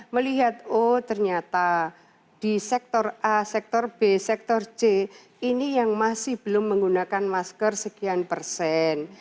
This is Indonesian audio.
melihat oh ternyata di sektor a sektor b sektor c ini yang masih belum menggunakan masker sekian persen